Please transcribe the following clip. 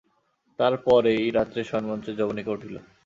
তার পরেই রাত্রে শয়নমঞ্চের যবনিকা উঠল।